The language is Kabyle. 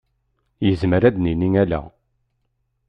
Yezmer ad d-nini ala?